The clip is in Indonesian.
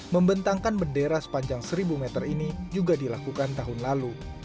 membentangkan bendera sepanjang seribu meter ini juga dilakukan tahun lalu